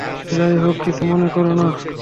যাই হোক, কিছু মনে করো না।